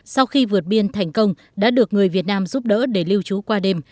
sau khi vượt biên thành công đã được người việt nam giúp đỡ để lưu trú qua đêm